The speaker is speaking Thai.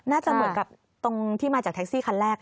น่าจะเหมือนกับตรงที่มาจากแท็กซี่คันแรก